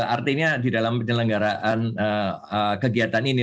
artinya di dalam penyelenggaraan kegiatan ini